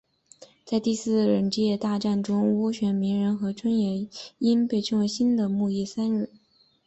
在第四次忍界大战中跟漩涡鸣人和春野樱被称为新的木叶三忍。